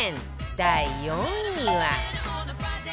第４位は